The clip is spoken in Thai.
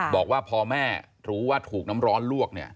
บอกว่าพอแม่รู้ว่าถูกน้ำร้อนลวก